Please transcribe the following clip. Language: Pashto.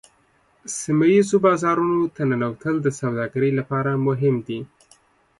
سیمه ایزو بازارونو ته ننوتل د سوداګرۍ لپاره مهم دي